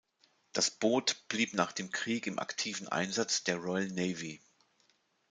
Das Boot blieb nach dem Krieg im aktiven Einsatz der Royal Navy.